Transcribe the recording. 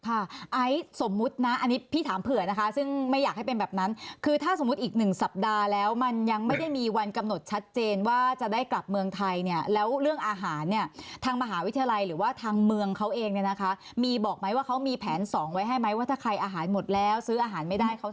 ไอซ์สมมุตินะอันนี้พี่ถามเผื่อนะคะซึ่งไม่อยากให้เป็นแบบนั้นคือถ้าสมมุติอีกหนึ่งสัปดาห์แล้วมันยังไม่ได้มีวันกำหนดชัดเจนว่าจะได้กลับเมืองไทยเนี่ยแล้วเรื่องอาหารเนี่ยทางมหาวิทยาลัยหรือว่าทางเมืองเขาเองเนี่ยนะคะมีบอกไหมว่าเขามีแผนสองไว้ให้ไหมว่าถ้าใครอาหารหมดแล้วซื้ออาหารไม่ได้เขา